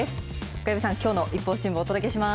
小籔さん、きょうのＩＰＰＯＵ新聞をお届けします。